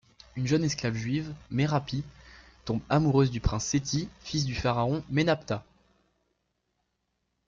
Une jeune esclave juive, Merapi, tombe amoureuse du Prince Seti, fils du pharaon Menapta.